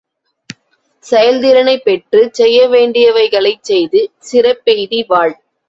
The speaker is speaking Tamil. செயல்திறனைப் பெற்றுச் செய்யவேண்டியவைகளைச் செய்து சிறப்பெய்தி வாழ்.